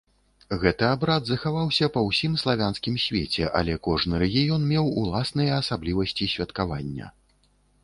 Гэты абрад захаваўся па ўсім славянскім свеце, але кожны рэгіён меў уласныя асаблівасці святкавання.